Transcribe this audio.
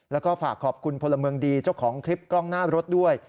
แล้วก็ฝากขอบคุณพลเมืองดีเจ้าของคลิปกล้องหน้ารถด้วย